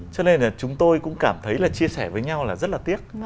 cho nên là chúng tôi cũng cảm thấy là chia sẻ với nhau là rất là tiếc